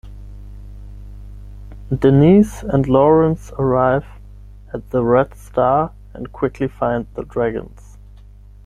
Denise and Lawrence arrive at the red star and quickly find the dragons.